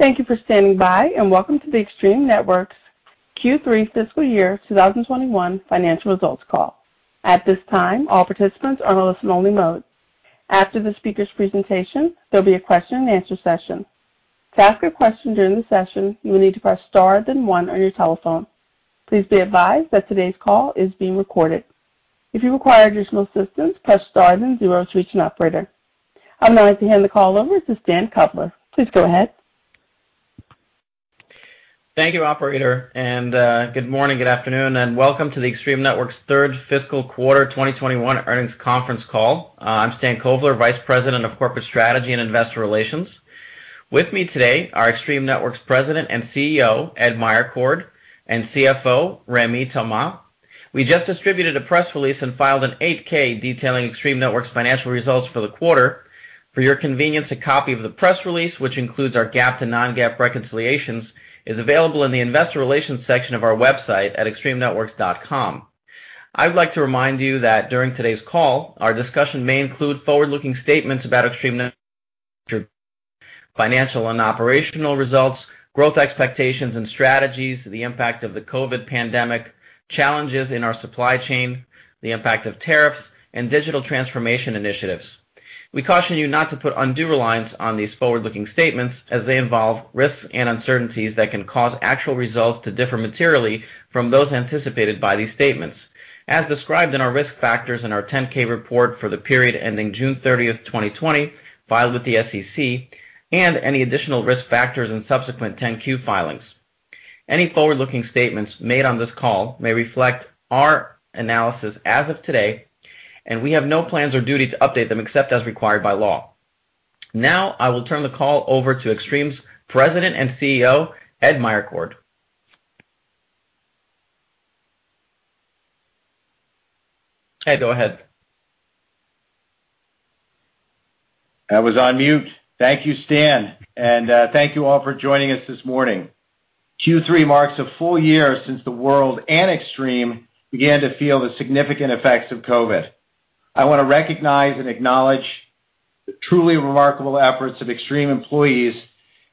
Thank you for standing by, and welcome to the Extreme Networks Q3 Fiscal Year 2021 Financial Results Call. At this time, all participants are in listen only mode. After the speaker's presentation, there'll be a question and answer session. To ask a question during the session you need to press star then one on your telephone. Please be advised that today's call is being recorded. If you require additional assistance, press star and zero to reach an operator. I would now like to hand the call over to Stan Kovler. Please go ahead. Thank you, operator. Good morning, good afternoon, and welcome to the Extreme Networks' third fiscal quarter 2021 earnings conference call. I'm Stan Kovler, vice president of corporate strategy and investor relations. With me today are Extreme Networks President and CEO, Ed Meyercord, and CFO, Rémi Thomas. We just distributed a press release and filed an 8-K detailing Extreme Networks' financial results for the quarter. For your convenience, a copy of the press release, which includes our GAAP to non-GAAP reconciliations, is available in the investor relations section of our website at extremenetworks.com. I would like to remind you that during today's call, our discussion may include forward-looking statements about Extreme Networks' financial and operational results, growth expectations and strategies, the impact of the COVID pandemic, challenges in our supply chain, the impact of tariffs, and digital transformation initiatives. We caution you not to put undue reliance on these forward-looking statements as they involve risks and uncertainties that can cause actual results to differ materially from those anticipated by these statements, as described in our risk factors in our 10-K report for the period ending June 30, 2020, filed with the SEC, and any additional risk factors in subsequent 10-Q filings. Any forward-looking statements made on this call may reflect our analysis as of today, and we have no plans or duty to update them except as required by law. Now, I will turn the call over to Extreme's President and CEO, Ed Meyercord. Ed, go ahead. I was on mute. Thank you, Stan, thank you all for joining us this morning. Q3 marks a full year since the world and Extreme began to feel the significant effects of COVID. I want to recognize and acknowledge the truly remarkable efforts of Extreme employees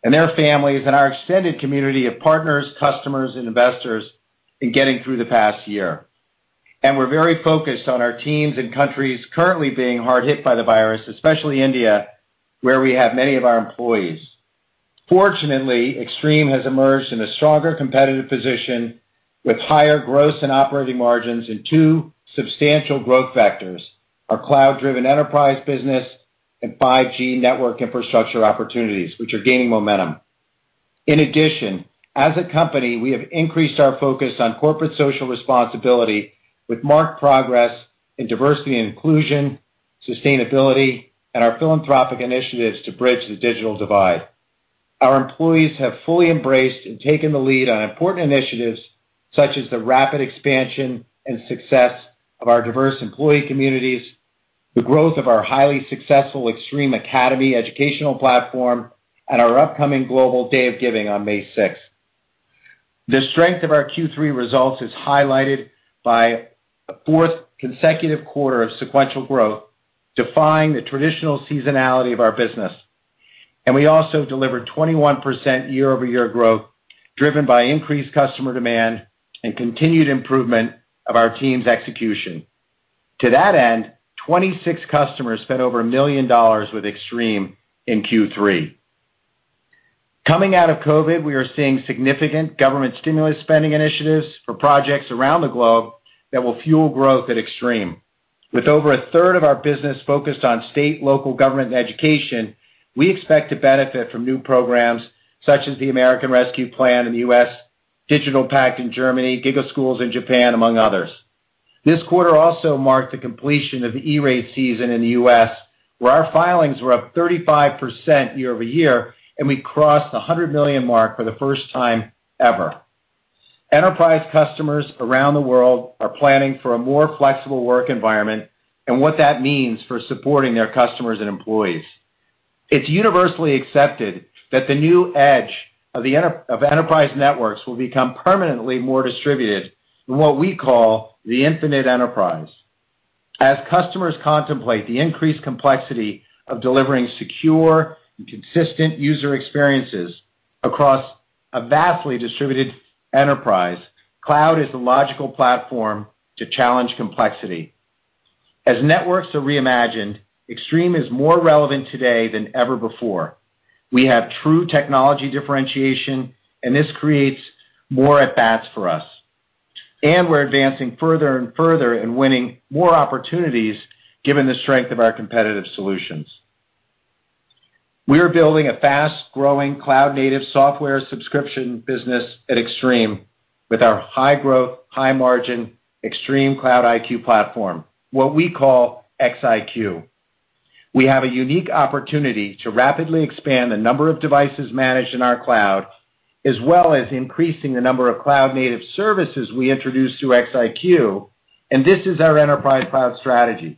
and their families and our extended community of partners, customers, and investors in getting through the past year. We're very focused on our teams and countries currently being hard hit by the virus, especially India, where we have many of our employees. Fortunately, Extreme has emerged in a stronger competitive position with higher gross and operating margins and two substantial growth factors, our cloud-driven enterprise business and 5G network infrastructure opportunities, which are gaining momentum. As a company, we have increased our focus on corporate social responsibility with marked progress in diversity and inclusion, sustainability, and our philanthropic initiatives to bridge the digital divide. Our employees have fully embraced and taken the lead on important initiatives such as the rapid expansion and success of our diverse employee communities, the growth of our highly successful Extreme Academy educational platform, and our upcoming global day of giving on May 6th. The strength of our Q3 results is highlighted by a fourth consecutive quarter of sequential growth, defying the traditional seasonality of our business. We also delivered 21% year-over-year growth driven by increased customer demand and continued improvement of our team's execution. To that end, 26 customers spent over $1 million with Extreme in Q3. Coming out of COVID, we are seeing significant government stimulus spending initiatives for projects around the globe that will fuel growth at Extreme. With over a third of our business focused on state, local government, and education, we expect to benefit from new programs such as the American Rescue Plan in the U.S., Digital Pact in Germany, GIGA Schools in Japan, among others. This quarter also marked the completion of the E-Rate season in the U.S., where our filings were up 35% year-over-year, and we crossed the $100 million mark for the first time ever. Enterprise customers around the world are planning for a more flexible work environment and what that means for supporting their customers and employees. It's universally accepted that the new edge of enterprise networks will become permanently more distributed in what we call the Infinite Enterprise. As customers contemplate the increased complexity of delivering secure and consistent user experiences across a vastly distributed enterprise, cloud is the logical platform to challenge complexity. As networks are reimagined, Extreme is more relevant today than ever before. We have true technology differentiation, and this creates more at-bats for us. We're advancing further and further in winning more opportunities given the strength of our competitive solutions. We are building a fast-growing cloud native software subscription business at Extreme with our high growth, high margin ExtremeCloud IQ platform, what we call XIQ. We have a unique opportunity to rapidly expand the number of devices managed in our cloud, as well as increasing the number of cloud native services we introduce through XIQ, and this is our enterprise cloud strategy.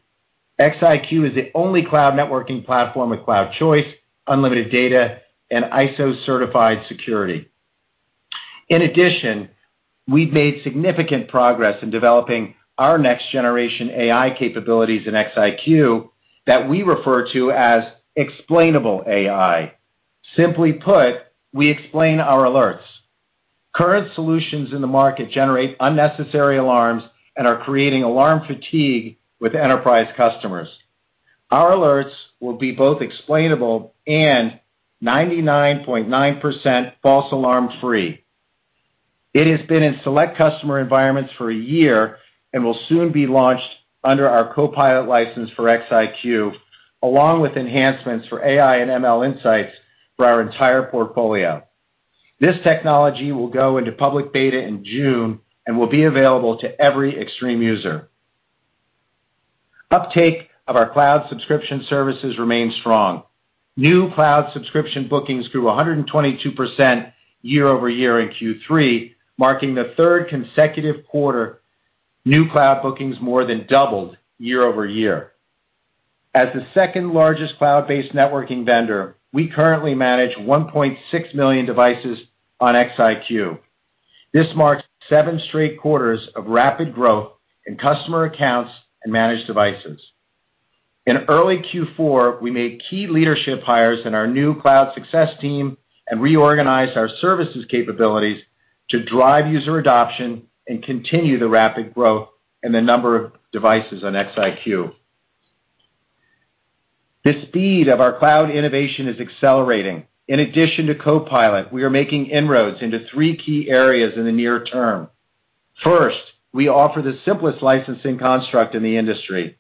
XIQ is the only cloud networking platform with cloud choice, unlimited data, and ISO-certified security. In addition, we've made significant progress in developing our next-generation AI capabilities in XIQ that we refer to as Explainable AI. Simply put, we explain our alerts. Current solutions in the market generate unnecessary alarms and are creating alarm fatigue with enterprise customers. Our alerts will be both explainable and 99.9% false alarm free. It has been in select customer environments for a year and will soon be launched under our CoPilot license for XIQ, along with enhancements for AI and ML insights for our entire portfolio. This technology will go into public beta in June and will be available to every Extreme user. Uptake of our cloud subscription services remains strong. New cloud subscription bookings grew 122% year-over-year in Q3, marking the third consecutive quarter new cloud bookings more than doubled year-over-year. As the second largest cloud-based networking vendor, we currently manage 1.6 million devices on XIQ. This marks seven straight quarters of rapid growth in customer accounts and managed devices. In early Q4, we made key leadership hires in our new cloud success team and reorganized our services capabilities to drive user adoption and continue the rapid growth in the number of devices on XIQ. The speed of our cloud innovation is accelerating. In addition to CoPilot, we are making inroads into three key areas in the near term. First, we offer the simplest licensing construct in the industry.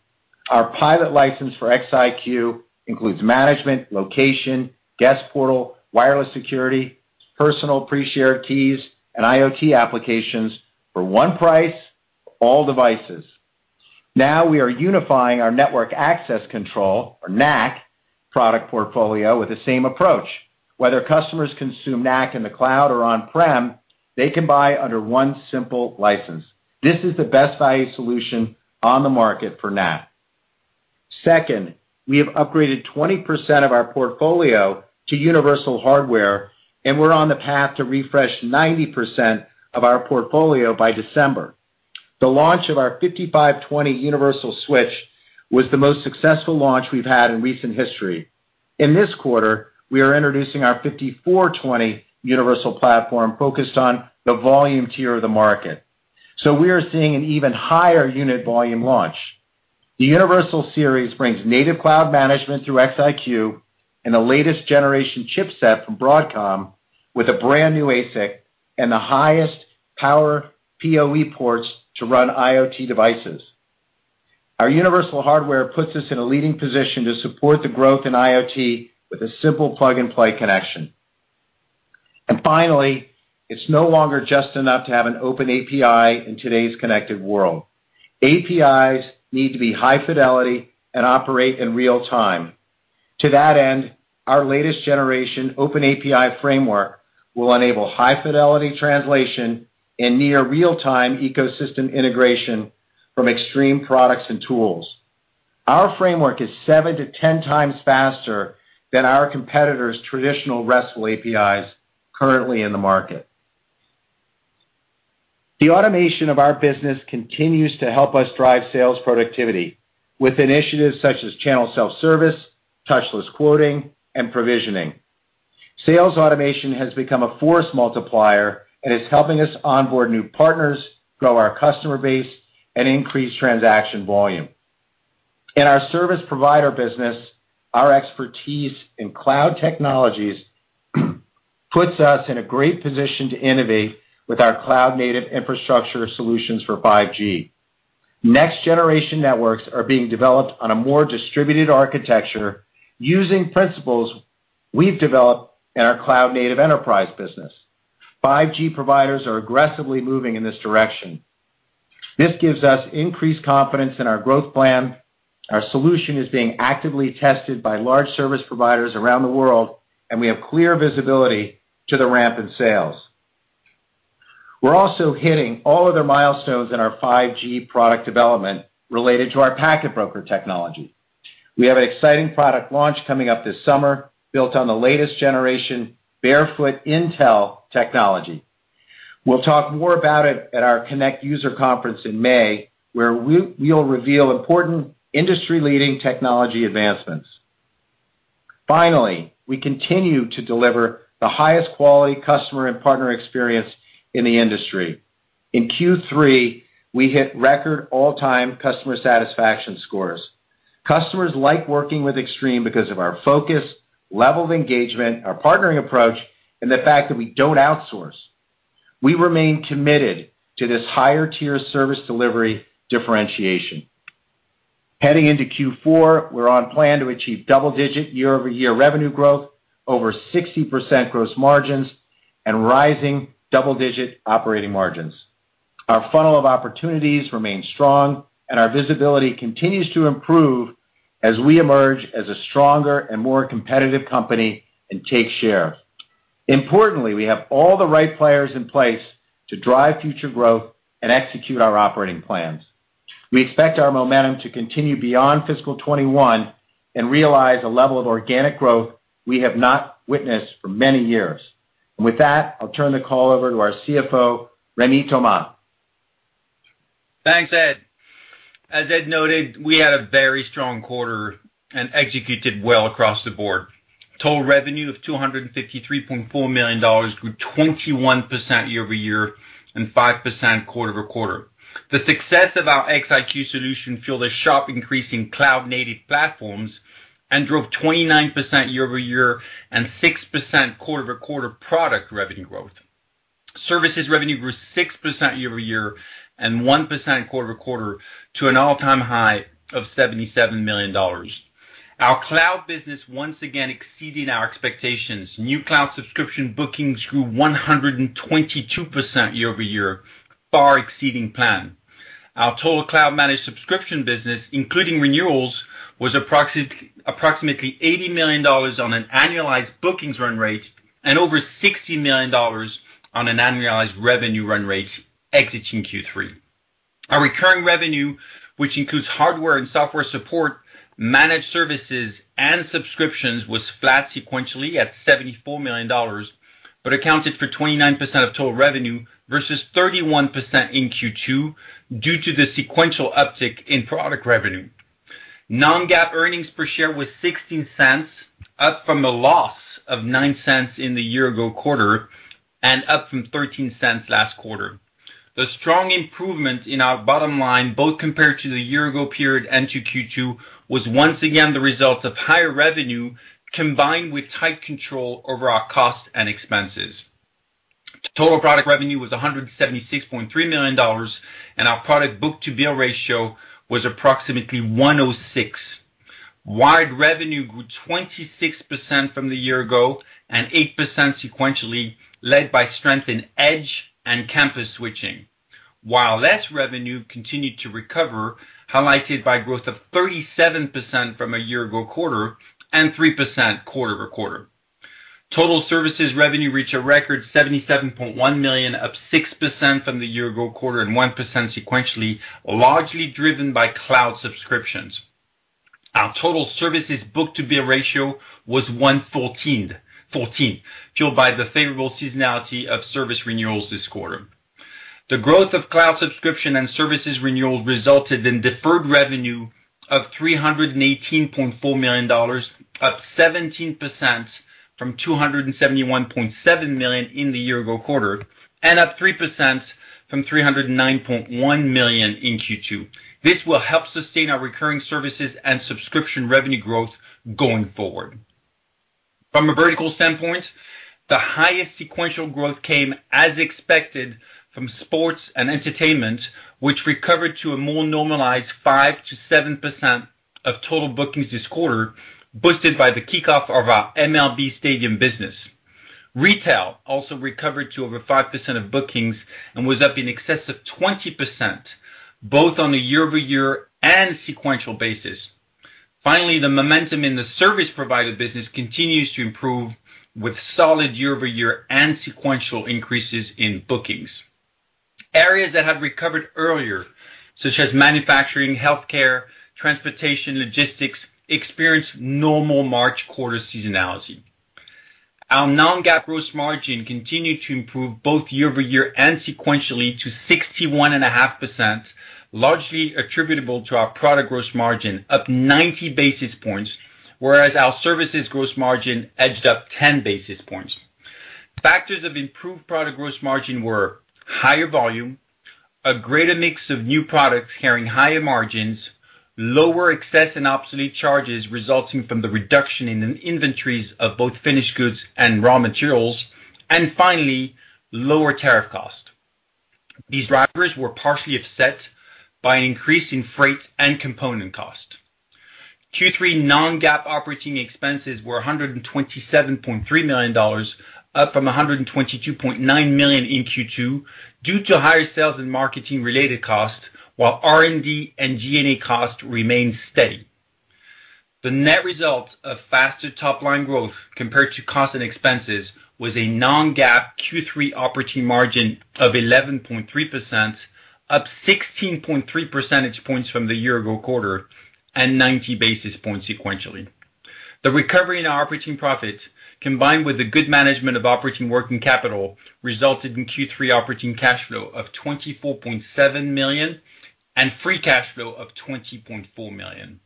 Our Pilot license for XIQ includes management, location, guest portal, wireless security, private pre-shared keys, and IoT applications for one price, all devices. We are unifying our network access control, or NAC product portfolio with the same approach. Whether customers consume NAC in the cloud or on-prem, they can buy under one simple license. This is the best value solution on the market for NAC. Second, we have upgraded 20% of our portfolio to universal hardware, and we're on the path to refresh 90% of our portfolio by December. The launch of our 5520 universal switch was the most successful launch we've had in recent history. In this quarter, we are introducing our 5420 universal platform focused on the volume tier of the market. We are seeing an even higher unit volume launch. The Universal Series brings native cloud management through XIQ and the latest generation chipset from Broadcom with a brand-new ASIC and the highest power PoE ports to run IoT devices. Our universal hardware puts us in a leading position to support the growth in IoT with a simple plug-and-play connection. Finally, it's no longer just enough to have an open API in today's connected world. APIs need to be high fidelity and operate in real time. To that end, our latest generation open API framework will enable high-fidelity translation and near real-time ecosystem integration from Extreme products and tools. Our framework is seven to 10 times faster than our competitors' traditional RESTful APIs currently in the market. The automation of our business continues to help us drive sales productivity with initiatives such as channel self-service, touchless quoting, and provisioning. Sales automation has become a force multiplier and is helping us onboard new partners, grow our customer base, and increase transaction volume. In our service provider business, our expertise in cloud technologies puts us in a great position to innovate with our cloud-native infrastructure solutions for 5G. Next-generation networks are being developed on a more distributed architecture using principles we've developed in our cloud-native enterprise business. 5G providers are aggressively moving in this direction. This gives us increased confidence in our growth plan. Our solution is being actively tested by large service providers around the world, and we have clear visibility to the ramp in sales. We're also hitting all other milestones in our 5G product development related to our Packet Broker technology. We have an exciting product launch coming up this summer built on the latest generation Barefoot Intel technology. We'll talk more about it at our Connect User Conference in May, where we'll reveal important industry-leading technology advancements. Finally, we continue to deliver the highest quality customer and partner experience in the industry. In Q3, we hit record all-time customer satisfaction scores. Customers like working with Extreme because of our focus, level of engagement, our partnering approach, and the fact that we don't outsource. We remain committed to this higher tier service delivery differentiation. Heading into Q4, we're on plan to achieve double-digit year-over-year revenue growth, over 60% gross margins, and rising double-digit operating margins. Our funnel of opportunities remains strong, and our visibility continues to improve as we emerge as a stronger and more competitive company and take share. Importantly, we have all the right players in place to drive future growth and execute our operating plans. We expect our momentum to continue beyond fiscal 2021 and realize a level of organic growth we have not witnessed for many years. With that, I'll turn the call over to our CFO, Rémi Thomas. Thanks, Ed. As Ed noted, we had a very strong quarter and executed well across the board. Total revenue of $253.4 million grew 21% year-over-year and 5% quarter-over-quarter. The success of our XIQ solution fueled a sharp increase in cloud-native platforms and drove 29% year-over-year and 6% quarter-over-quarter product revenue growth. Services revenue grew 6% year-over-year and 1% quarter-over-quarter to an all-time high of $77 million. Our cloud business once again exceeding our expectations. New cloud subscription bookings grew 122% year-over-year, far exceeding plan. Our total cloud managed subscription business, including renewals, was approximately $80 million on an annualized bookings run rate and over $60 million on an annualized revenue run rate exiting Q3. Our recurring revenue, which includes hardware and software support, managed services, and subscriptions, was flat sequentially at $74 million, but accounted for 29% of total revenue versus 31% in Q2 due to the sequential uptick in product revenue. Non-GAAP earnings per share was $0.16, up from a loss of $0.09 in the year-ago quarter and up from $0.13 last quarter. The strong improvement in our bottom line, both compared to the year-ago period and to Q2, was once again the result of higher revenue combined with tight control over our cost and expenses. Total product revenue was $176.3 million, and our product book-to-bill ratio was approximately 1.06x. Wired revenue grew 26% from the year-ago and 8% sequentially, led by strength in edge and campus switching. Wireless revenue continued to recover, highlighted by growth of 37% from a year-ago quarter and 3% quarter-over-quarter. Total services revenue reached a record $77.1 million, up 6% from the year-ago quarter and 1% sequentially, largely driven by cloud subscriptions. Our total services book-to-bill ratio was 1.14x, fueled by the favorable seasonality of service renewals this quarter. The growth of cloud subscription and services renewals resulted in deferred revenue of $318.4 million, up 17% from $271.7 million in the year-ago quarter, and up 3% from $309.1 million in Q2. This will help sustain our recurring services and subscription revenue growth going forward. From a vertical standpoint, the highest sequential growth came, as expected, from sports and entertainment, which recovered to a more normalized 5%-7% of total bookings this quarter, boosted by the kickoff of our MLB stadium business. Retail also recovered to over 5% of bookings and was up in excess of 20%, both on a year-over-year and sequential basis. Finally, the momentum in the service provider business continues to improve with solid year-over-year and sequential increases in bookings. Areas that had recovered earlier, such as manufacturing, healthcare, transportation, logistics, experienced normal March quarter seasonality. Our non-GAAP gross margin continued to improve both year-over-year and sequentially to 61.5%, largely attributable to our product gross margin up 90 basis points, whereas our services gross margin edged up 10 basis points. Factors of improved product gross margin were higher volume, a greater mix of new products carrying higher margins, lower excess and obsolete charges resulting from the reduction in inventories of both finished goods and raw materials, and finally, lower tariff cost. These drivers were partially offset by an increase in freight and component cost. Q3 non-GAAP operating expenses were $127.3 million, up from $122.9 million in Q2 due to higher sales and marketing-related costs, while R&D and G&A costs remained steady. The net result of faster top-line growth compared to cost and expenses was a non-GAAP Q3 operating margin of 11.3%, up 16.3 percentage points from the year ago quarter and 90 basis points sequentially. The recovery in our operating profits, combined with the good management of operating working capital, resulted in Q3 operating cash flow of $24.7 million and free cash flow of $20.4 million.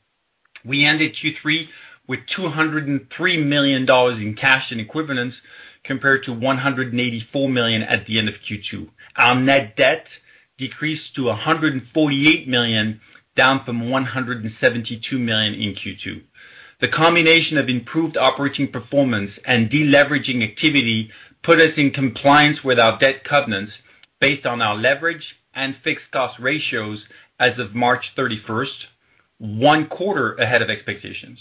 We ended Q3 with $203 million in cash and equivalents compared to $184 million at the end of Q2. Our net debt decreased to $148 million, down from $172 million in Q2. The combination of improved operating performance and deleveraging activity put us in compliance with our debt covenants based on our leverage and fixed cost ratios as of March 31st, one quarter ahead of expectations.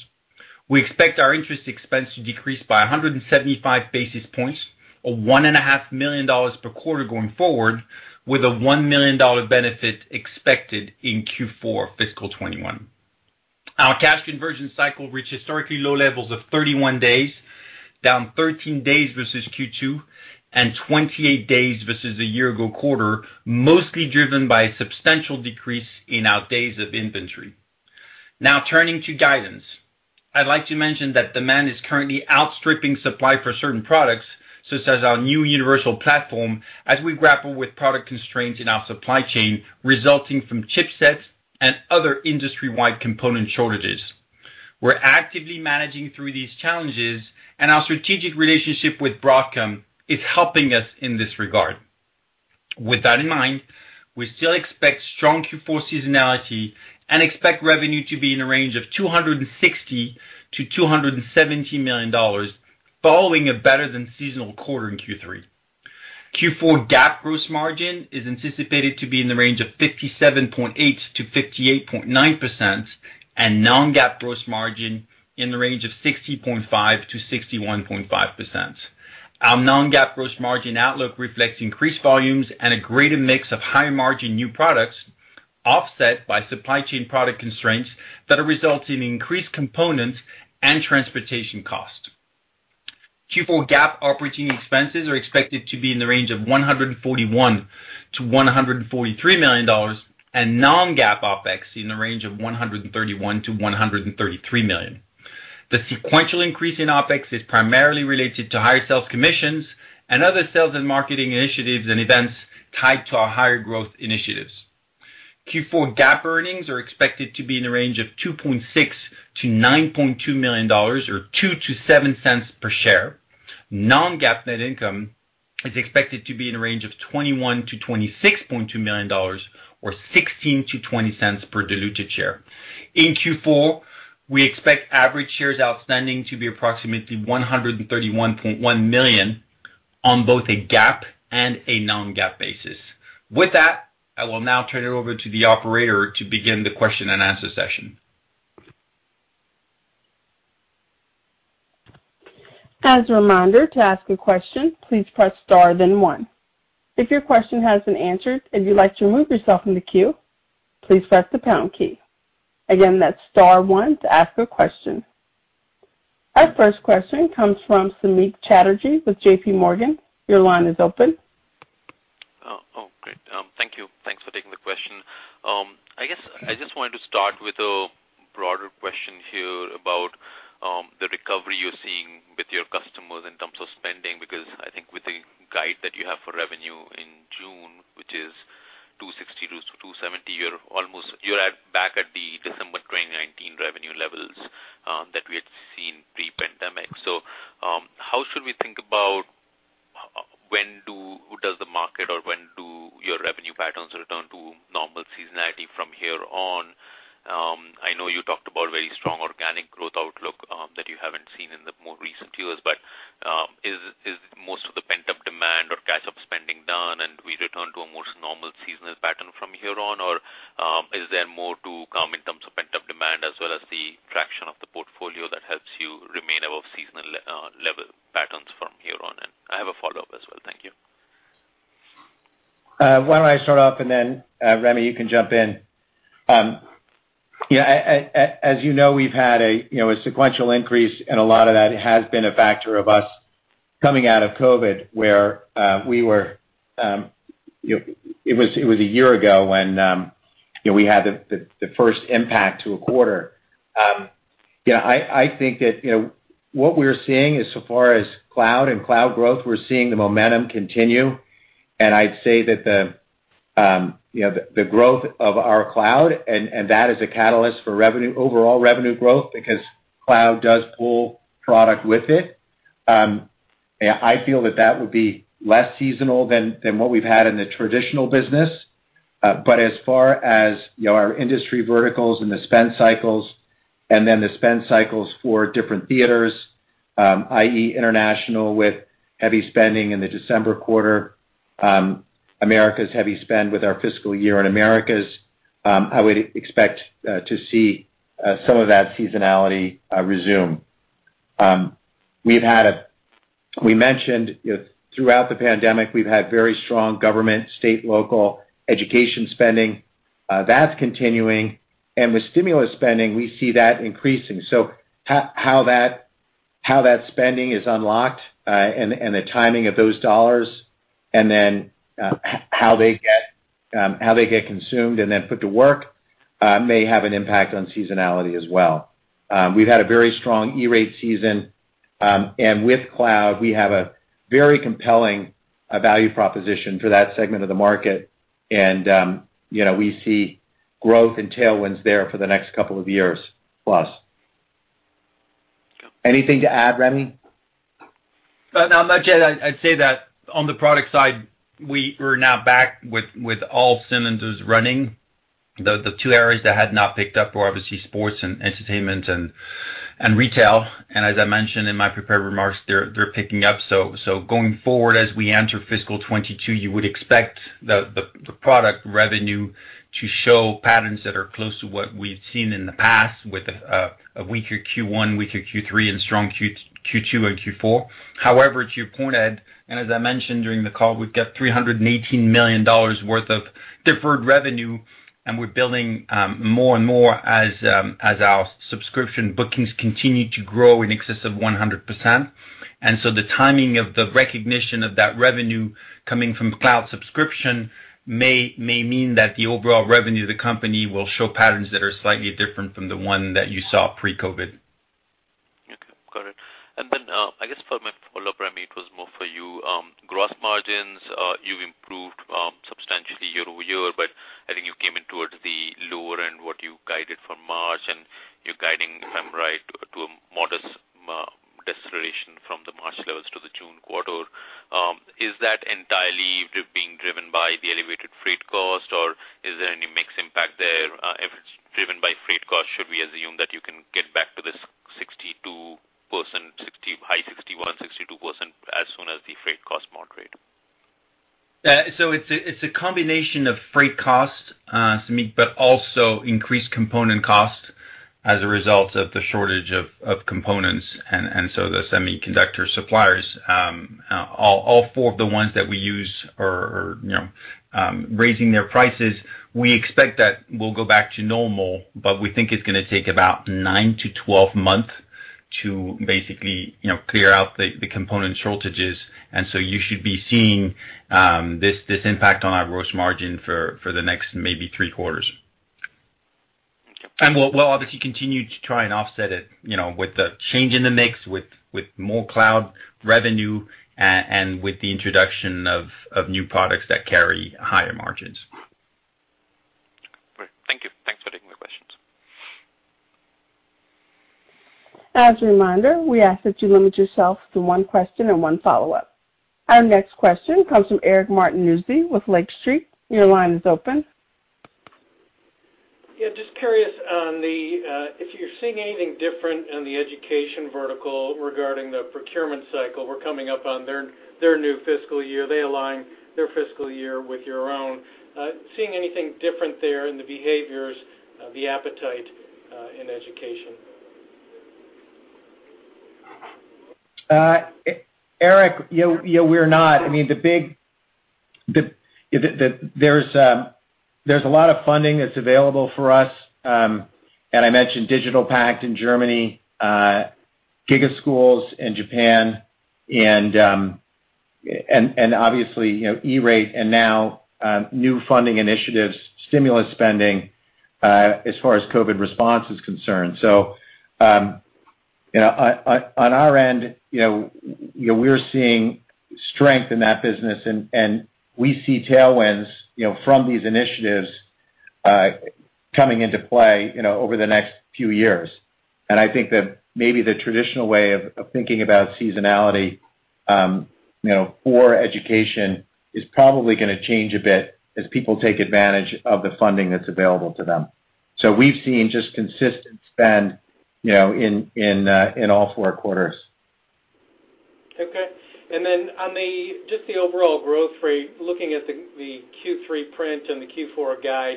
We expect our interest expense to decrease by 175 basis points or $1.5 million per quarter going forward, with a $1 million benefit expected in Q4 fiscal 2021. Our cash conversion cycle reached historically low levels of 31 days, down 13 days versus Q2, and 28 days versus a year ago quarter, mostly driven by a substantial decrease in our days of inventory. Turning to guidance. I'd like to mention that demand is currently outstripping supply for certain products, such as our new Universal Platform, as we grapple with product constraints in our supply chain resulting from chipsets and other industry-wide component shortages. We're actively managing through these challenges, and our strategic relationship with Broadcom is helping us in this regard. With that in mind, we still expect strong Q4 seasonality and expect revenue to be in the range of $260 million-$270 million, following a better-than-seasonal quarter in Q3. Q4 GAAP gross margin is anticipated to be in the range of 57.8%-58.9%, and non-GAAP gross margin in the range of 60.5%-61.5%. Our non-GAAP gross margin outlook reflects increased volumes and a greater mix of high-margin new products, offset by supply chain product constraints that are resulting in increased components and transportation costs. Q4 GAAP operating expenses are expected to be in the range of $141 million-$143 million, and non-GAAP OpEx in the range of $131 million-$133 million. The sequential increase in OpEx is primarily related to higher sales commissions and other sales and marketing initiatives and events tied to our higher growth initiatives. Q4 GAAP earnings are expected to be in the range of $2.6 million-$9.2 million, or $0.02-$0.07 per share. Non-GAAP net income is expected to be in the range of $21 million-$26.2 million, or $0.16-$0.20 per diluted share. In Q4, we expect average shares outstanding to be approximately 131.1 million on both a GAAP and a non-GAAP basis. With that, I will now turn it over to the operator to begin the question-and-answer session. As a reminder to ask a question please press star then one. If your question has been answered and you'd like to remove yourself from the queueplease press the pound key. Again, that's star one to ask a question. Our first question comes from Samik Chatterjee with JPMorgan. Your line is open. Oh, great. Thank you. Thanks for taking the question. I guess I just wanted to start with a broader question here about the recovery you're seeing with your customers in terms of spending, because I think with the guide that you have for revenue in June, which is $260 million-$270 million, you're back at the December 2019 revenue levels that we had seen pre-pandemic. How should we think about when does the market or when do your revenue patterns return to normal seasonality from here on? I know you talked about very strong organic growth outlook that you haven't seen in the more recent years, but is most of the pent-up demand or catch-up spending done and we return to a more normal seasonal pattern from here on? Is there more to come in terms of pent-up demand as well as the traction of the portfolio that helps you remain above seasonal level patterns from here on? I have a follow-up as well. Thank you. Why don't I start off and then Rémi, you can jump in. As you know, we've had a sequential increase and a lot of that has been a factor of us coming out of COVID, where it was a year ago when we had the first impact to a quarter. I think that what we're seeing is so far as cloud and cloud growth, we're seeing the momentum continue. I'd say that the growth of our cloud, and that is a catalyst for overall revenue growth because cloud does pull product with it. I feel that that would be less seasonal than what we've had in the traditional business. As far as our industry verticals and the spend cycles, and then the spend cycles for different theaters i.e., international with heavy spending in the December quarter, Americas' heavy spend with our fiscal year in Americas, I would expect to see some of that seasonality resume. We mentioned throughout the pandemic, we've had very strong government, state, local education spending. That's continuing. With stimulus spending, we see that increasing. How that spending is unlocked and the timing of those dollars, and then how they get consumed and then put to work may have an impact on seasonality as well. We've had a very strong E-Rate season, and with cloud, we have a very compelling value proposition for that segment of the market. We see growth and tailwinds there for the next couple of years plus. Anything to add, Rémi? Not much, Ed. I'd say that on the product side, we're now back with all cylinders running. The two areas that had not picked up were obviously sports and entertainment and retail. As I mentioned in my prepared remarks, they're picking up. Going forward, as we enter fiscal 2022, you would expect the product revenue to show patterns that are close to what we've seen in the past with a weaker Q1, weaker Q3, and strong Q2 and Q4. To your point, Ed, and as I mentioned during the call, we've got $318 million worth of- ...deferred revenue, we're building more and more as our subscription bookings continue to grow in excess of 100%. The timing of the recognition of that revenue coming from cloud subscription may mean that the overall revenue of the company will show patterns that are slightly different from the one that you saw pre-COVID. Okay, got it. I guess for my follow-up, Rémi, it was more for you. Gross margins, you improved substantially year-over-year, but I think you came in towards the lower end what you guided for March, and you're guiding, if I'm right, to a modest deceleration from the March levels to the June quarter. Is that entirely being driven by the elevated freight cost, or is there any mix impact there? If it's driven by freight cost, should we assume that you can get back to this 62%, high 61%, 62% as soon as the freight costs moderate? It's a combination of freight costs, Samik, but also increased component costs as a result of the shortage of components. The semiconductor suppliers, all four of the ones that we use are raising their prices. We expect that we'll go back to normal, but we think it's going to take about nine to 12 months to basically clear out the component shortages. You should be seeing this impact on our gross margin for the next maybe three quarters. We'll obviously continue to try and offset it with the change in the mix, with more cloud revenue, and with the introduction of new products that carry higher margins. Great. Thank you. Thanks for taking my questions. As a reminder, we ask that you limit yourself to one question and one follow-up. Our next question comes from Eric Martinuzzi with Lake Street. Your line is open. Yeah, just curious if you're seeing anything different in the education vertical regarding the procurement cycle. We're coming up on their new fiscal year. They align their fiscal year with your own. Are you seeing anything different there in the behaviors, the appetite in education? Eric, we're not. There's a lot of funding that's available for us. I mentioned Digital Pact in Germany, GIGA Schools in Japan, and obviously, E-Rate, and now new funding initiatives, stimulus spending as far as COVID response is concerned. On our end, we're seeing strength in that business, and we see tailwinds from these initiatives coming into play over the next few years. I think that maybe the traditional way of thinking about seasonality for education is probably going to change a bit as people take advantage of the funding that's available to them. We've seen just consistent spend in all four quarters. Okay. On just the overall growth rate, looking at the Q3 print and the Q4 guide,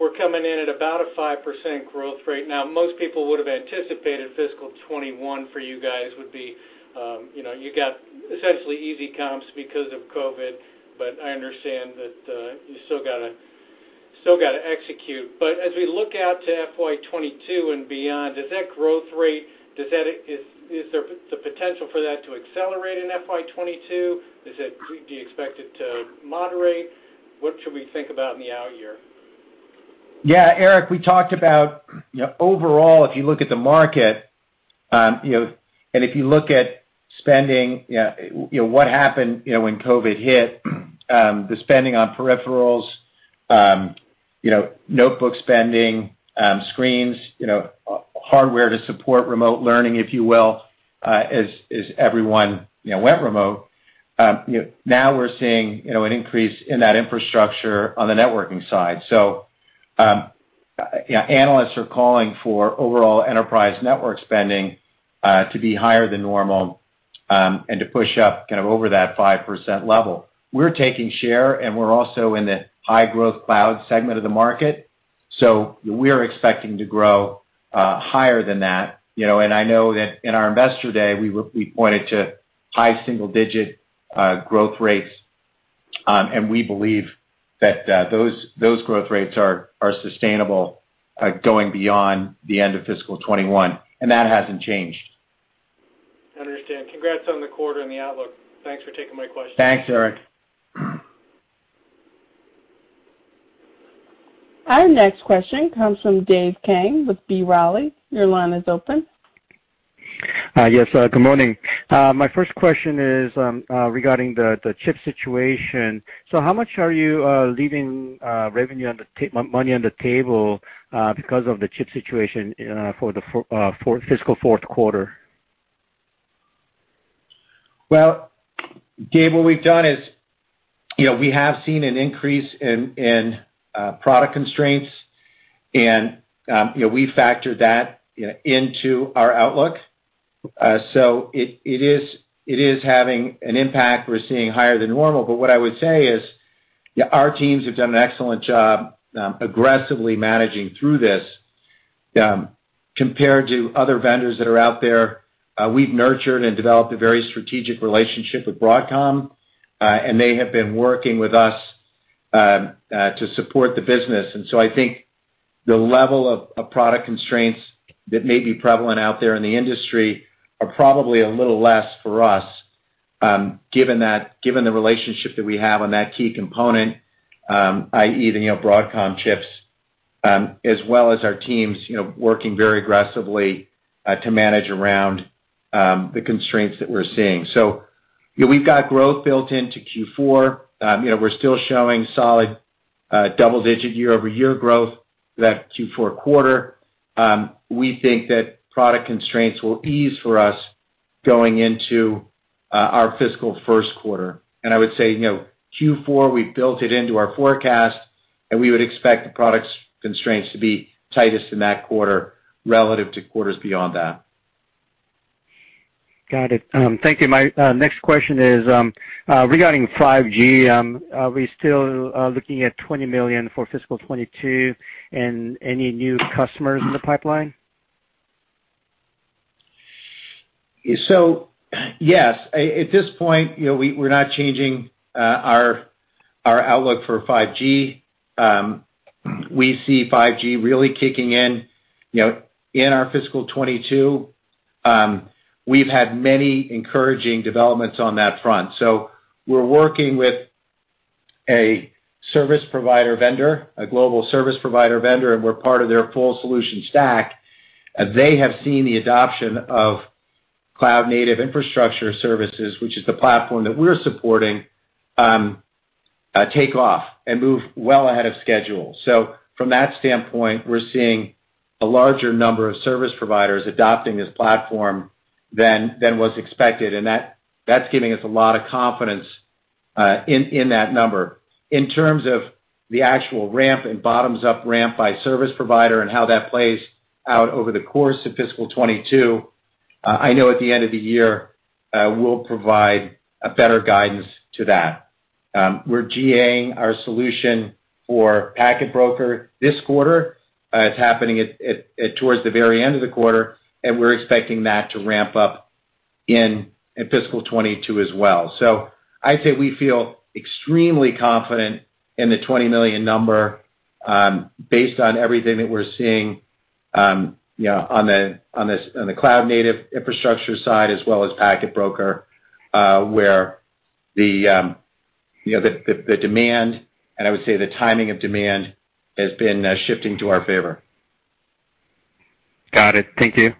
we're coming in at about a 5% growth rate. Now, most people would have anticipated fiscal 2021 for you guys would be, you got essentially easy comps because of COVID, but I understand that you still got to execute. As we look out to FY 2022 and beyond, does that growth rate, is there the potential for that to accelerate in FY 2022? Do you expect it to moderate? What should we think about in the out year? Eric, we talked about overall, if you look at the market, and if you look at spending, what happened when COVID hit, the spending on peripherals, notebook spending, screens, hardware to support remote learning, if you will, as everyone went remote. We're seeing an increase in that infrastructure on the networking side. Analysts are calling for overall enterprise network spending to be higher than normal, and to push up kind of over that 5% level. We're taking share, and we're also in the high growth cloud segment of the market. We're expecting to grow higher than that. I know that in our Investor Day, we pointed to high single-digit growth rates, and we believe that those growth rates are sustainable going beyond the end of fiscal 2021. That hasn't changed. Understand. Congrats on the quarter and the outlook. Thanks for taking my question. Thanks, Eric. Our next question comes from Dave Kang with B. Riley. Your line is open. Yes, good morning. My first question is regarding the chip situation. How much are you leaving money on the table because of the chip situation for the fiscal fourth quarter? Well, Dave, what we've done is we have seen an increase in product constraints, and we factor that into our outlook. It is having an impact. We're seeing higher than normal, but what I would say is our teams have done an excellent job aggressively managing through this. Compared to other vendors that are out there, we've nurtured and developed a very strategic relationship with Broadcom, and they have been working with us to support the business. I think the level of product constraints that may be prevalent out there in the industry are probably a little less for us given the relationship that we have on that key component, i.e., the Broadcom chips, as well as our teams working very aggressively to manage around the constraints that we're seeing. We've got growth built into Q4. We're still showing solid double-digit year-over-year growth that Q4 quarter. We think that product constraints will ease for us going into our fiscal first quarter. I would say, Q4, we've built it into our forecast, and we would expect the products constraints to be tightest in that quarter relative to quarters beyond that. Got it. Thank you. My next question is, regarding 5G, are we still looking at $20 million for fiscal 2022? Any new customers in the pipeline? Yes, at this point, we're not changing our outlook for 5G. We see 5G really kicking in our fiscal 2022. We've had many encouraging developments on that front. We're working with a service provider vendor, a global service provider vendor, and we're part of their full solution stack. They have seen the adoption of cloud-native infrastructure services, which is the platform that we're supporting, take off and move well ahead of schedule. From that standpoint, we're seeing a larger number of service providers adopting this platform than was expected. That's giving us a lot of confidence in that number. In terms of the actual ramp and bottoms-up ramp by service provider and how that plays out over the course of fiscal 2022, I know at the end of the year, we'll provide a better guidance to that. We're GA-ing our solution for Packet Broker this quarter. It's happening towards the very end of the quarter. We're expecting that to ramp up in fiscal 2022 as well. I'd say we feel extremely confident in the $20 million number based on everything that we're seeing on the cloud-native infrastructure side, as well as Packet Broker, where the demand, and I would say the timing of demand, has been shifting to our favor. Got it. Thank you.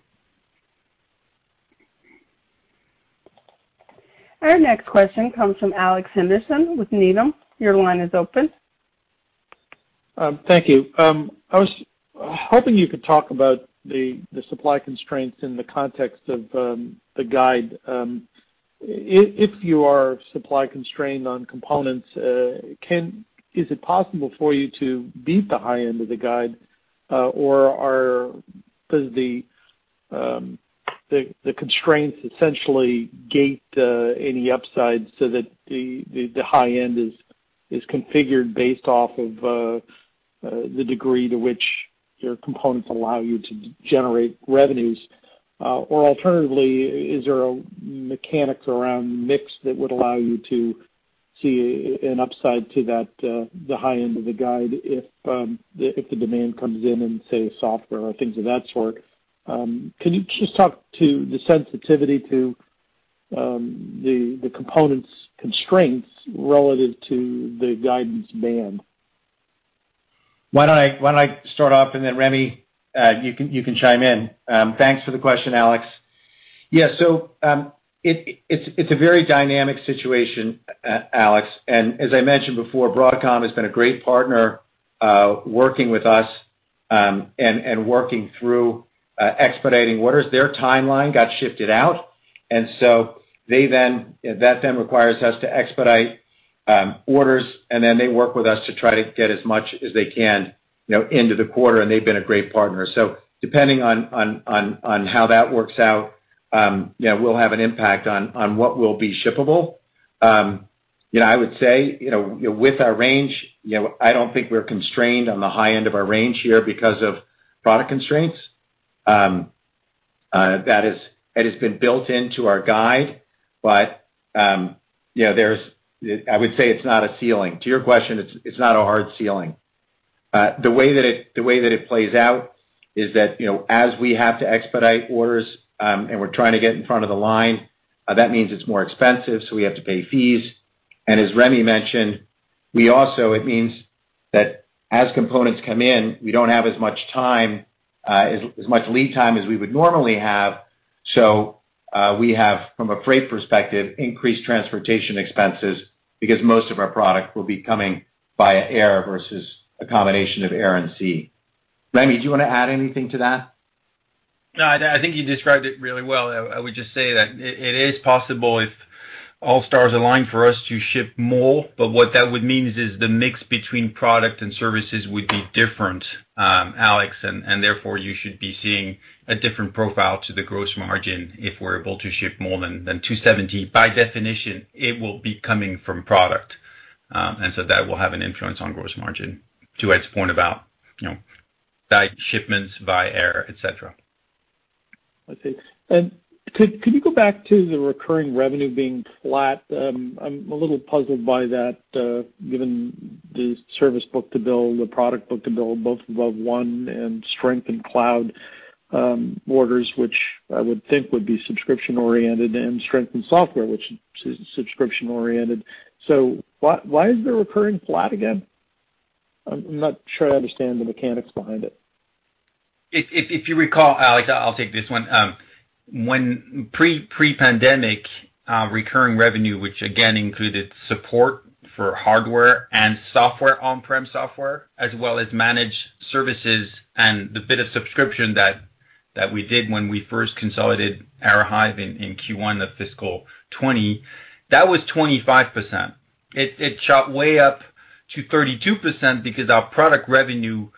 Our next question comes from Alex Henderson with Needham. Your line is open. Thank you. I was hoping you could talk about the supply constraints in the context of the guide. If you are supply-constrained on components, is it possible for you to beat the high end of the guide? Does the constraints essentially gate any upside so that the high end is configured based off of the degree to which your components allow you to generate revenues? Alternatively, is there a mechanic around mix that would allow you to see an upside to the high end of the guide if the demand comes in in, say, software or things of that sort? Can you just talk to the sensitivity to the components constraints relative to the guidance band? Why don't I start off, and then Rémi, you can chime in. Thanks for the question, Alex. Yeah, it's a very dynamic situation, Alex, and as I mentioned before, Broadcom has been a great partner working with us and working through expediting orders. Their timeline got shifted out, and so that then requires us to expedite orders, and then they work with us to try to get as much as they can into the quarter, and they've been a great partner. Depending on how that works out, yeah, we'll have an impact on what will be shippable. I would say, with our range, I don't think we're constrained on the high end of our range here because of product constraints. That has been built into our guide. I would say it's not a ceiling. To your question, it's not a hard ceiling. The way that it plays out is that as we have to expedite orders and we're trying to get in front of the line, that means it's more expensive, so we have to pay fees. As Rémi mentioned, it means that as components come in, we don't have as much lead time as we would normally have. We have, from a freight perspective, increased transportation expenses because most of our product will be coming via air versus a combination of air and sea. Rémi, do you want to add anything to that? No, I think you described it really well. I would just say that it is possible, if all stars align, for us to ship more. What that would mean is the mix between product and services would be different, Alex, and therefore, you should be seeing a different profile to the gross margin if we're able to ship more than 270. By definition, it will be coming from product. That will have an influence on gross margin to Ed's point about guide shipments via air, et cetera. I see. Could you go back to the recurring revenue being flat? I'm a little puzzled by that given the service book-to-bill, the product book-to-bill, both above one and strength in cloud orders, which I would think would be subscription-oriented and strength in software, which is subscription-oriented. Why is the recurring flat again? I'm not sure I understand the mechanics behind it. If you recall, Alex, I'll take this one. When pre-pandemic recurring revenue, which again included support for hardware and software, on-prem software, as well as managed services and the bit of subscription that we did when we first consolidated Aerohive in Q1 of FY 2020, that was 25%. It shot way up to 32% because our product revenue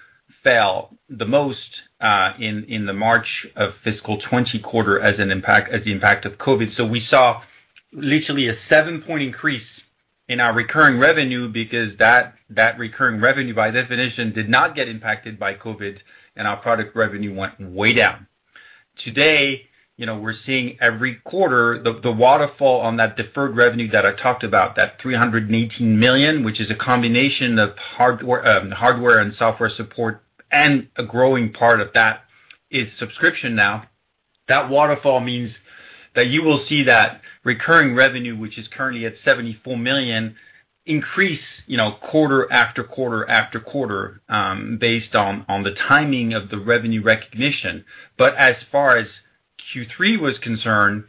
fell the most in the March of FY 2020 quarter as the impact of COVID. We saw literally a seven-point increase in our recurring revenue because that recurring revenue, by definition, did not get impacted by COVID and our product revenue went way down. Today, we're seeing every quarter the waterfall on that deferred revenue that I talked about, that $318 million, which is a combination of hardware and software support, and a growing part of that is subscription now. That waterfall means that you will see that recurring revenue, which is currently at $74 million, increase quarter after quarter after quarter based on the timing of the revenue recognition. As far as Q3 was concerned,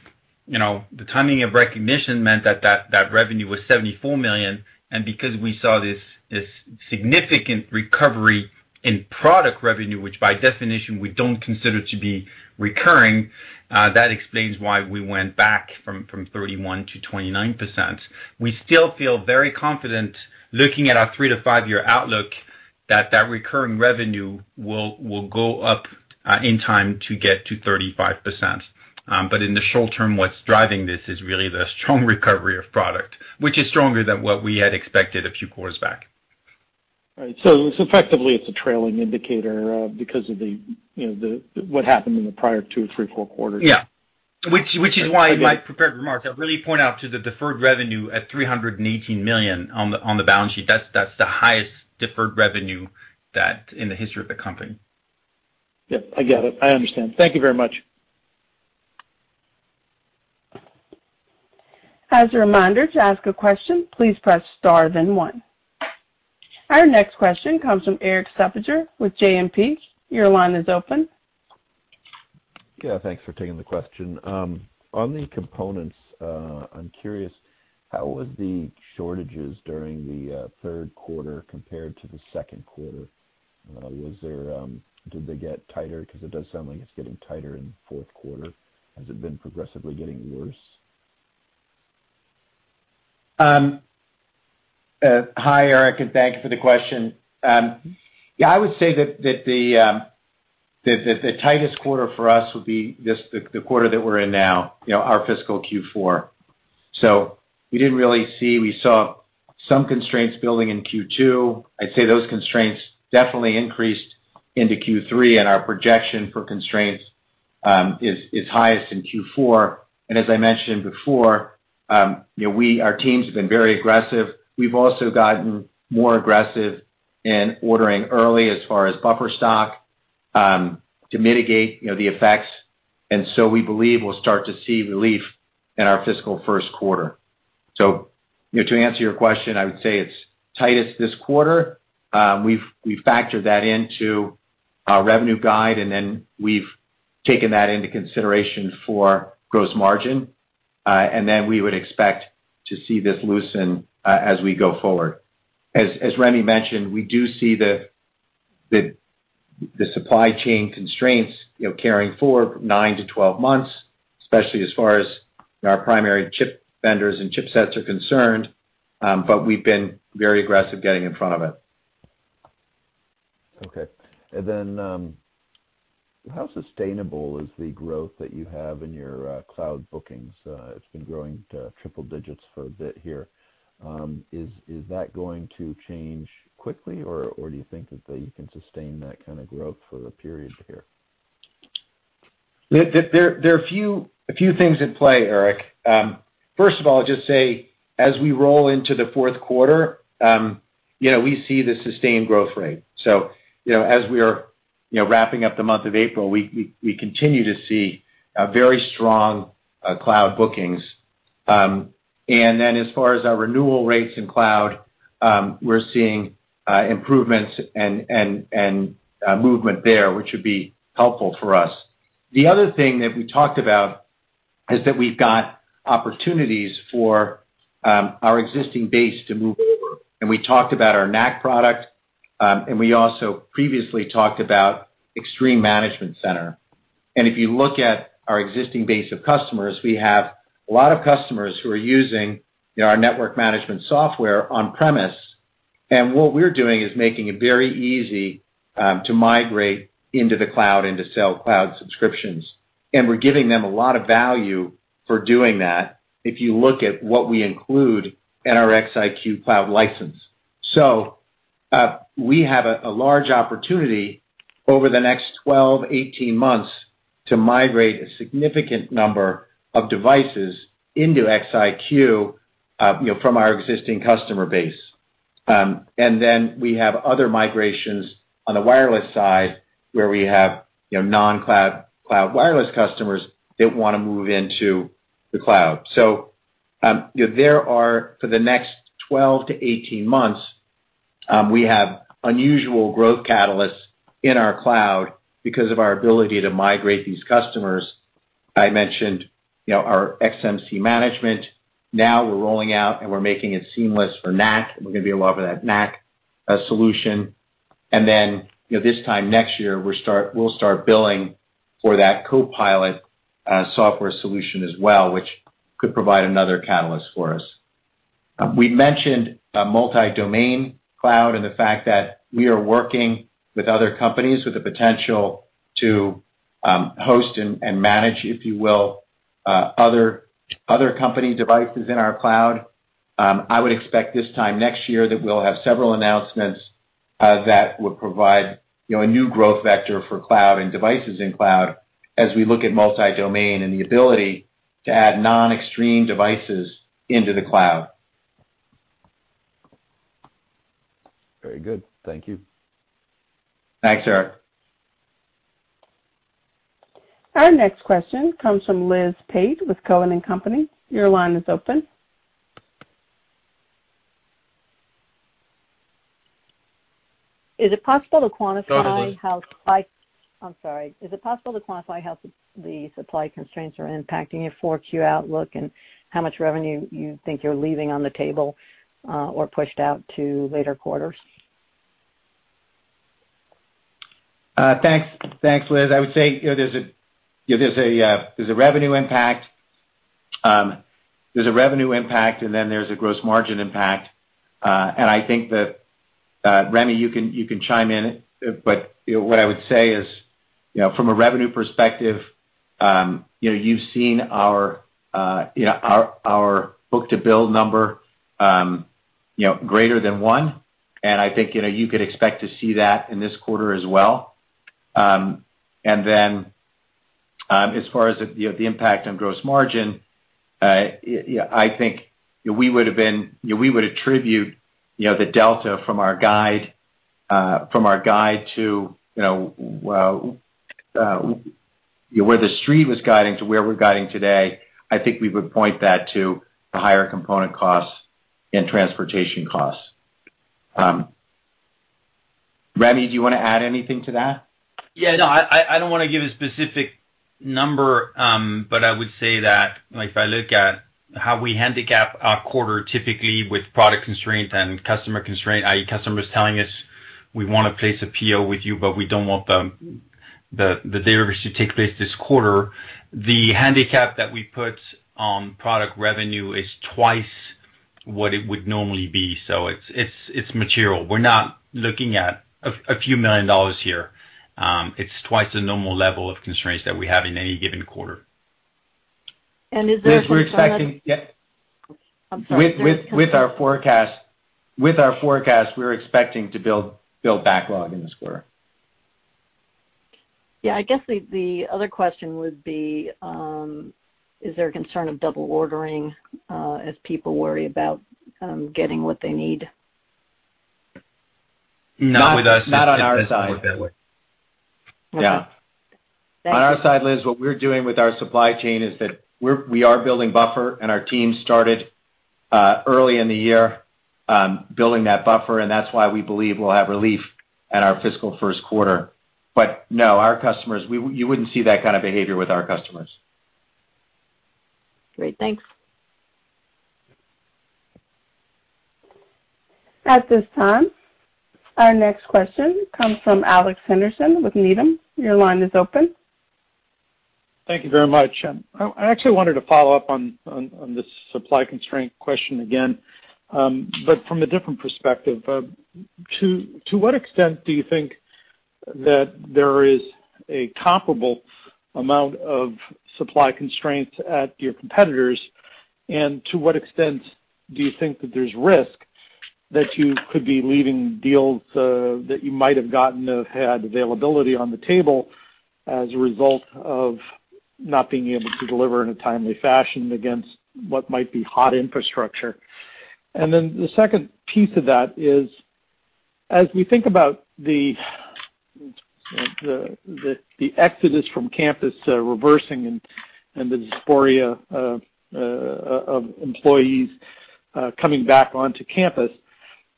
the timing of recognition meant that that revenue was $74 million, and because we saw this significant recovery in product revenue, which by definition we don't consider to be recurring, that explains why we went back from 31%-29%. We still feel very confident looking at our three to five-year outlook that that recurring revenue will go up in time to get to 35%. In the short term, what's driving this is really the strong recovery of product, which is stronger than what we had expected a few quarters back. All right. Effectively it's a trailing indicator because of what happened in the prior two or three full quarters. Yeah. Which is why in my prepared remarks, I really point out to the deferred revenue at $318 million on the balance sheet. That's the highest deferred revenue in the history of the company. Yep, I get it. I understand. Thank you very much. As a reminder, to ask a question, please press star then one. Our next question comes from Erik Suppiger with JMP. Your line is open. Thanks for taking the question. On the components, I'm curious, how was the shortages during the third quarter compared to the second quarter? Did they get tighter? Because it does sound like it's getting tighter in the fourth quarter. Has it been progressively getting worse? Hi, Eric, thank you for the question. I would say that the tightest quarter for us would be the quarter that we're in now, our fiscal Q4. We saw some constraints building in Q2. I'd say those constraints definitely increased into Q3, our projection for constraints is highest in Q4. As I mentioned before, our teams have been very aggressive. We've also gotten more aggressive in ordering early as far as buffer stock to mitigate the effects. We believe we'll start to see relief in our fiscal first quarter. To answer your question, I would say it's tightest this quarter. We've factored that into our revenue guide, we've taken that into consideration for gross margin. We would expect to see this loosen as we go forward. As Rémi mentioned, we do see the supply chain constraints carrying forward nine to 12 months, especially as far as our primary chip vendors and chipsets are concerned, but we've been very aggressive getting in front of it. Okay. How sustainable is the growth that you have in your cloud bookings? It's been growing triple digits for a bit here. Is that going to change quickly, or do you think that you can sustain that kind of growth for the period here? There are a few things at play, Eric. First of all, I'll just say as we roll into the fourth quarter, we see the sustained growth rate. As we are wrapping up the month of April, we continue to see very strong cloud bookings. As far as our renewal rates in cloud, we're seeing improvements and movement there, which would be helpful for us. The other thing that we talked about is that we've got opportunities for our existing base to move over. We talked about our NAC product, and we also previously talked about Extreme Management Center. If you look at our existing base of customers, we have a lot of customers who are using our network management software on premise What we're doing is making it very easy to migrate into the cloud and to sell cloud subscriptions. We're giving them a lot of value for doing that if you look at what we include in our XIQ cloud license. We have a large opportunity over the next 12, 18 months to migrate a significant number of devices into XIQ from our existing customer base. We have other migrations on the wireless side where we have non-cloud wireless customers that want to move into the cloud. For the next 12-18 months, we have unusual growth catalysts in our cloud because of our ability to migrate these customers. I mentioned our XMC management. Now we're rolling out and we're making it seamless for NAC. We're going to be rolling out that NAC solution. This time next year, we'll start billing for that CoPilot software solution as well, which could provide another catalyst for us. We mentioned multi-domain cloud and the fact that we are working with other companies with the potential to host and manage, if you will, other company devices in our cloud. I would expect this time next year that we'll have several announcements that would provide a new growth vector for cloud and devices in cloud as we look at multi-domain and the ability to add non-Extreme devices into the cloud. Very good. Thank you. Thanks, Eric. Our next question comes from Liz Pate with Cowen and Company. Your line is open. Is it possible to quantify- Go ahead, Liz. I'm sorry. Is it possible to quantify how the supply constraints are impacting your 4Q outlook and how much revenue you think you're leaving on the table or pushed out to later quarters? Thanks, Liz. I would say there's a revenue impact, and then there's a gross margin impact. I think that, Rémi, you can chime in, but what I would say is from a revenue perspective, you've seen our book-to-bill number greater than 1x, and I think you could expect to see that in this quarter as well. As far as the impact on gross margin, I think we would attribute the delta from our guide to where the street was guiding to where we're guiding today, I think we would point that to the higher component costs and transportation costs. Rémi, do you want to add anything to that? Yeah. No, I don't want to give a specific number, but I would say that if I look at how we handicap our quarter, typically with product constraint and customer constraint, i.e., customers telling us, we want to place a PO with you, but we don't want the delivery to take place this quarter. The handicap that we put on product revenue is twice what it would normally be. It's material. We're not looking at a few million dollars here. It's twice the normal level of constraints that we have in any given quarter. Is there? With our forecast, we're expecting to build backlog in this quarter. Yeah, I guess the other question would be, is there a concern of double ordering as people worry about getting what they need? Not with us. Not on our side. It doesn't work that way. Okay. Yeah. On our side, Liz, what we're doing with our supply chain is that we are building buffer, and our team started early in the year building that buffer, and that's why we believe we'll have relief in our fiscal first quarter. No, you wouldn't see that kind of behavior with our customers. Great. Thanks. At this time, our next question comes from Alex Henderson with Needham. Your line is open. Thank you very much. I actually wanted to follow up on this supply constraint question again from a different perspective. To what extent do you think that there is a comparable amount of supply constraints at your competitors? To what extent do you think that there's risk that you could be leaving deals that you might have gotten have had availability on the table as a result of not being able to deliver in a timely fashion against what might be hot infrastructure? The second piece of that is, as we think about the exodus from campus reversing and the dysphoria of employees coming back onto campus,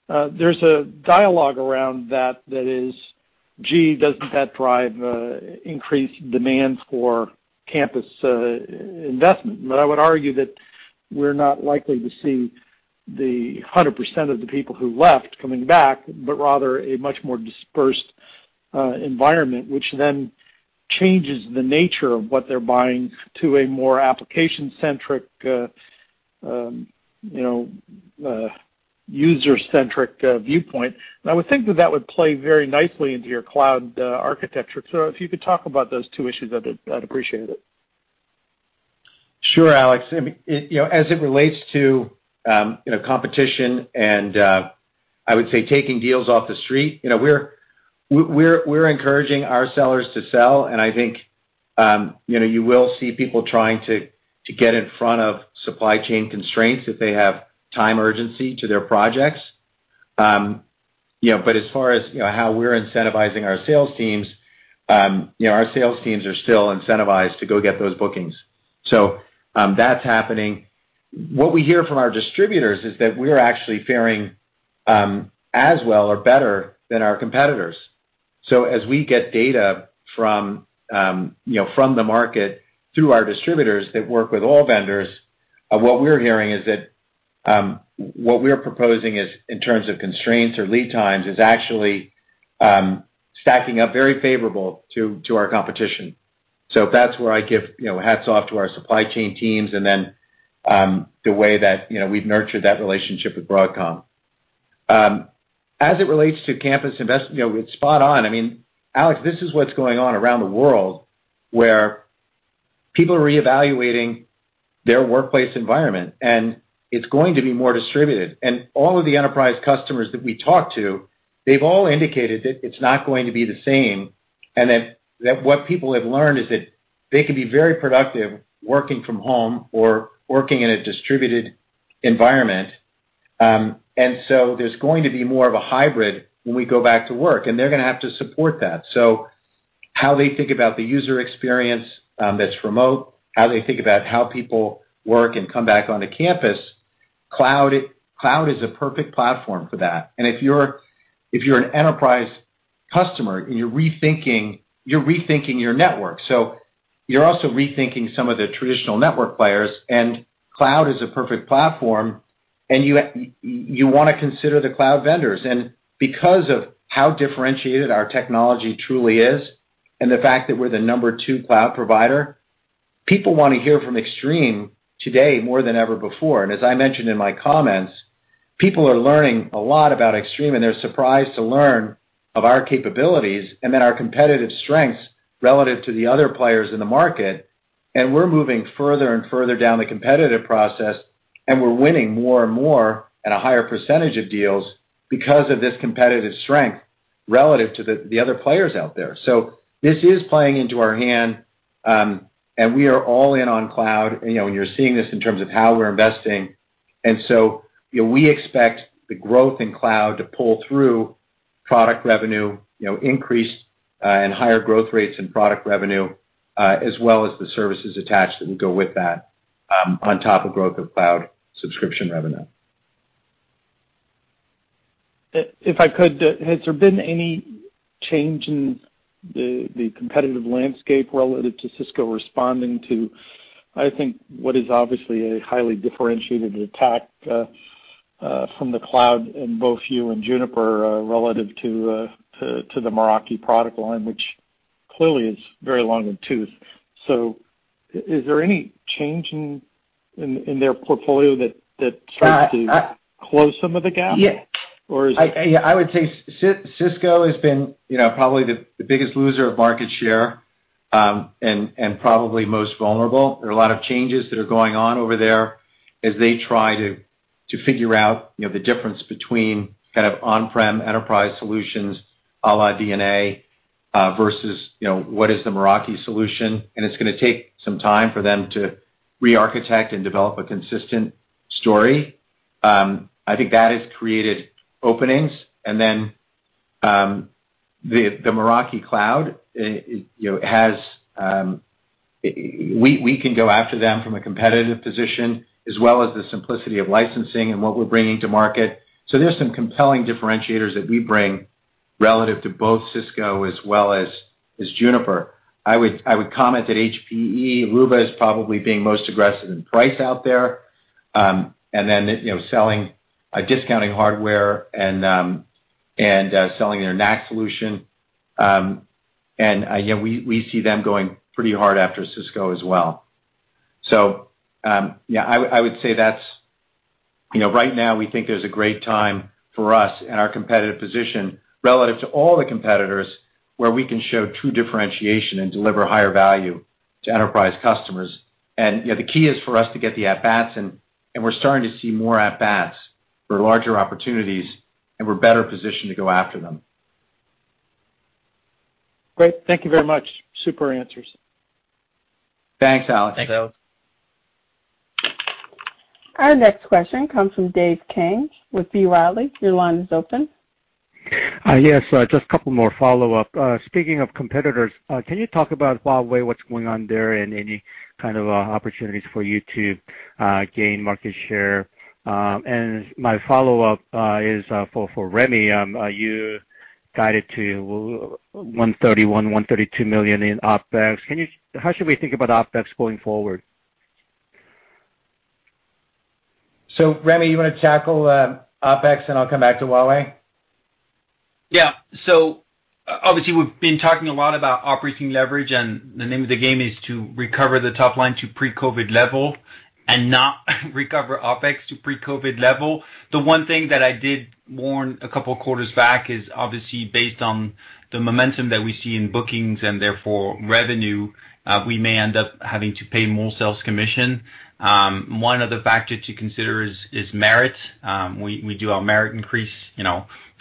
there's a dialogue around that that is, gee, doesn't that drive increased demands for campus investment? I would argue that we're not likely to see the 100% of the people who left coming back, but rather a much more dispersed environment, which then changes the nature of what they're buying to a more application-centric, user-centric viewpoint. I would think that that would play very nicely into your cloud architecture. If you could talk about those two issues, I'd appreciate it. Sure, Alex. As it relates to competition, I would say taking deals off the street, we're encouraging our sellers to sell. I think you will see people trying to get in front of supply chain constraints if they have time urgency to their projects. As far as how we're incentivizing our sales teams, our sales teams are still incentivized to go get those bookings. That's happening. What we hear from our distributors is that we're actually faring as well or better than our competitors. As we get data from the market through our distributors that work with all vendors, what we're hearing is that what we're proposing is, in terms of constraints or lead times, is actually stacking up very favorable to our competition. That's where I give hats off to our supply chain teams, the way that we've nurtured that relationship with Broadcom. As it relates to campus investment, it's spot on. Alex, this is what's going on around the world, where people are reevaluating their workplace environment, and it's going to be more distributed. All of the enterprise customers that we talk to, they've all indicated that it's not going to be the same, and that what people have learned is that they can be very productive working from home or working in a distributed environment. There's going to be more of a hybrid when we go back to work, and they're going to have to support that. How they think about the user experience that's remote, how they think about how people work and come back onto campus, cloud is a perfect platform for that. If you're an enterprise customer and you're rethinking your network, so you're also rethinking some of the traditional network players, and cloud is a perfect platform, and you want to consider the cloud vendors. Because of how differentiated our technology truly is and the fact that we're the number 2 cloud provider, people want to hear from Extreme today more than ever before. As I mentioned in my comments, people are learning a lot about Extreme, and they're surprised to learn of our capabilities and then our competitive strengths relative to the other players in the market. We're moving further and further down the competitive process, and we're winning more and more at a higher percentage of deals because of this competitive strength relative to the other players out there. This is playing into our hand, and we are all in on cloud, and you're seeing this in terms of how we're investing. We expect the growth in cloud to pull through product revenue increase and higher growth rates in product revenue, as well as the services attached that go with that, on top of growth of cloud subscription revenue. If I could, has there been any change in the competitive landscape relative to Cisco responding to, I think, what is obviously a highly differentiated attack from the cloud in both you and Juniper relative to the Meraki product line, which clearly is very long in tooth. Is there any change in their portfolio that starts to close some of the gap? Yeah. Or is it- I would say Cisco has been probably the biggest loser of market share, and probably most vulnerable. There are a lot of changes that are going on over there as they try to figure out the difference between on-prem enterprise solutions a la DNA, versus what is the Meraki solution. It's going to take some time for them to re-architect and develop a consistent story. I think that has created openings. The Meraki cloud, we can go after them from a competitive position as well as the simplicity of licensing and what we're bringing to market. There's some compelling differentiators that we bring relative to both Cisco as well as Juniper. I would comment that HPE Aruba is probably being most aggressive in price out there. Discounting hardware and selling their NAC solution. We see them going pretty hard after Cisco as well. I would say right now we think there's a great time for us and our competitive position relative to all the competitors, where we can show true differentiation and deliver higher value to enterprise customers. The key is for us to get the at-bats, and we're starting to see more at-bats for larger opportunities, and we're better positioned to go after them. Great. Thank you very much. Super answers. Thanks, Alex. Thanks, Alex. Our next question comes from Dave Kang with B. Riley. Your line is open. Yes, just a couple more follow-up. Speaking of competitors, can you talk about Huawei, what's going on there, and any kind of opportunities for you to gain market share? My follow-up is for Rémi. You guided to $131 million, $132 million in OpEx. How should we think about OpEx going forward? Rémi, you want to tackle OpEx and I'll come back to Huawei? Obviously, we've been talking a lot about operating leverage, the name of the game is to recover the top line to pre-COVID level and not recover OpEx to pre-COVID level. The one thing that I did warn a couple of quarters back is obviously based on the momentum that we see in bookings and therefore revenue, we may end up having to pay more sales commission. One other factor to consider is merit. We do our merit increase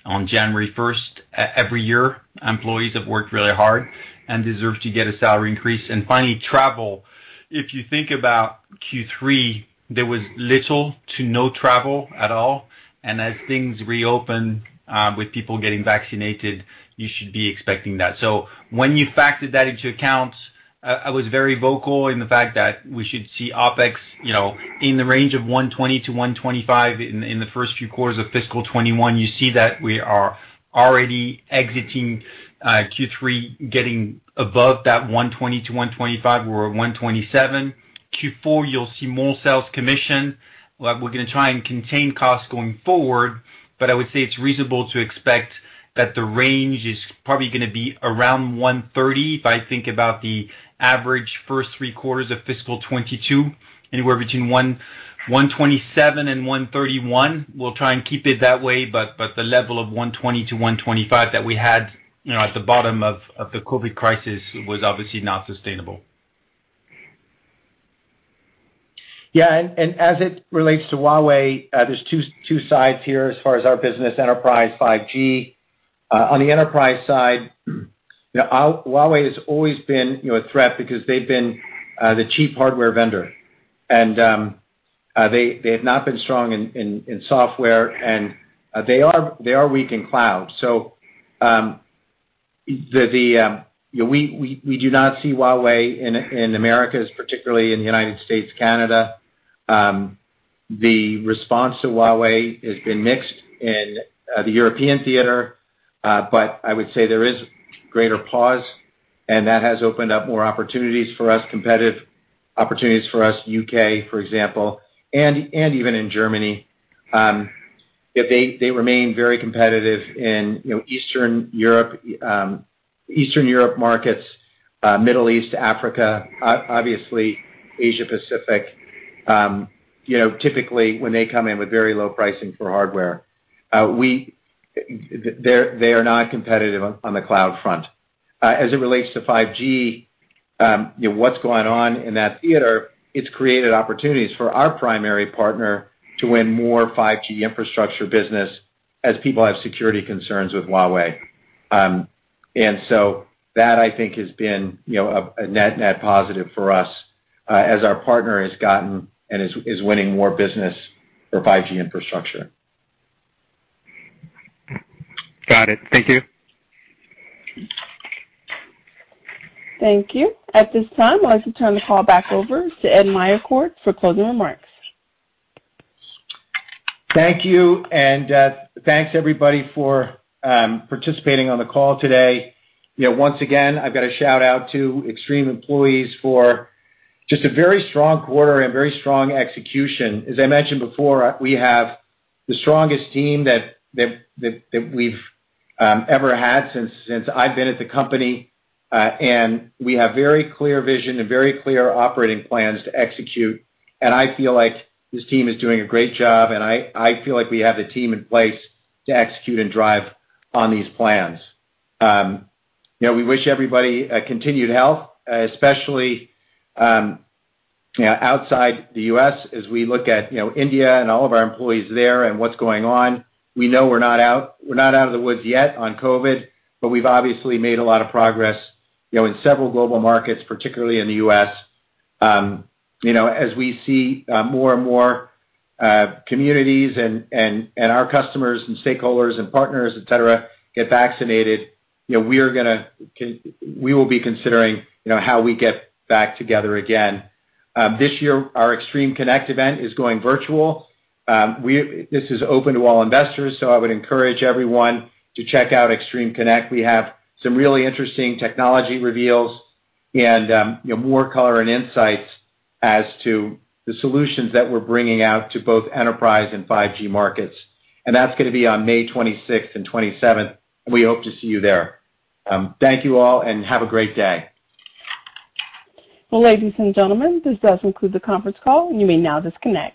on January 1st every year. Employees have worked really hard and deserve to get a salary increase. Finally, travel. If you think about Q3, there was little to no travel at all. As things reopen, with people getting vaccinated, you should be expecting that. When you factored that into account, I was very vocal in the fact that we should see OpEx in the range of $120-$125 in the first few quarters of fiscal 2021. You see that we are already exiting Q3, getting above that $120-$125. We're at $127. Q4, you'll see more sales commission. We're going to try and contain costs going forward, but I would say it's reasonable to expect that the range is probably going to be around $130 if I think about the average first three quarters of fiscal 2022, anywhere between $127 and $131. We'll try and keep it that way, but the level of $120-$125 that we had at the bottom of the COVID crisis was obviously not sustainable. Yeah, as it relates to Huawei, there's two sides here as far as our business, enterprise, 5G. On the enterprise side, Huawei has always been a threat because they've been the cheap hardware vendor. They have not been strong in software, and they are weak in cloud. We do not see Huawei in Americas, particularly in the U.S., Canada. The response to Huawei has been mixed in the European theater. I would say there is greater pause, and that has opened up more opportunities for us, competitive opportunities for us, U.K., for example, and even in Germany. They remain very competitive in Eastern Europe markets, Middle East, Africa, obviously Asia Pacific. Typically, when they come in with very low pricing for hardware, they are not competitive on the cloud front. As it relates to 5G, what's going on in that theater, it's created opportunities for our primary partner to win more 5G infrastructure business as people have security concerns with Huawei. That I think has been a net positive for us, as our partner has gotten and is winning more business for 5G infrastructure. Got it. Thank you. Thank you. At this time, I'd like to turn the call back over to Ed Meyercord for closing remarks. Thank you, thanks everybody for participating on the call today. Once again, I've got to shout out to Extreme employees for just a very strong quarter and very strong execution. As I mentioned before, we have the strongest team that we've ever had since I've been at the company. We have very clear vision and very clear operating plans to execute. I feel like this team is doing a great job, and I feel like we have the team in place to execute and drive on these plans. We wish everybody continued health, especially outside the U.S., as we look at India and all of our employees there and what's going on. We know we're not out of the woods yet on COVID, but we've obviously made a lot of progress in several global markets, particularly in the U.S. As we see more and more communities and our customers and stakeholders and partners, et cetera, get vaccinated, we will be considering how we get back together again. This year, our Extreme Connect event is going virtual. This is open to all investors, so I would encourage everyone to check out Extreme Connect. We have some really interesting technology reveals and more color and insights as to the solutions that we're bringing out to both enterprise and 5G markets. That's going to be on May 26th and 27th. We hope to see you there. Thank you all, and have a great day. Ladies and gentlemen, this does conclude the conference call. You may now disconnect.